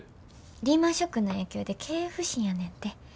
リーマンショックの影響で経営不振やねんて。